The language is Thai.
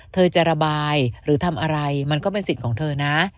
เธอจะระบายหรือทำอะไรมันก็เป็นสิทธิ์ของเธอนะ